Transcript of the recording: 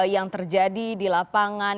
yang terjadi di lapangan